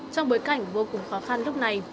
trong bối cảnh vô cùng khó khăn lúc này